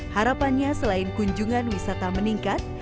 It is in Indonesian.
harapannya selain kunjungan wisata meningkat